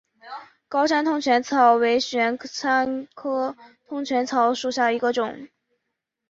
高山通泉草为玄参科通泉草属下的一个种。